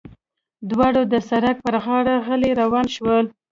دواړه د سړک پر غاړه غلي روان شول.